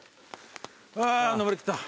あぁ登りきった。